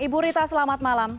ibu rita selamat malam